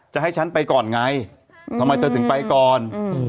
จะให้ฉันไปก่อนไงทำไมเธอถึงไปก่อน